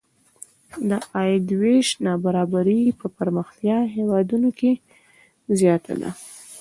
د عاید وېش نابرابري په پرمختیايي هېوادونو کې زیاته ده.